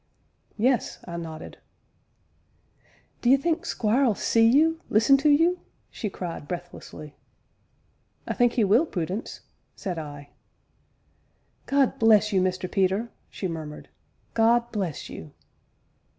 "Yes," I nodded. "D'you think Squire'll see you listen to you?" she cried breathlessly. "I think he will, Prudence," said I. "God bless you, Mr. Peter!" she murmured. "God bless you!"